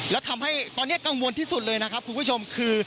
แล้วทำให้ตอนนี้กังวลที่สุดเลยนะครับคุณผู้ชมคือ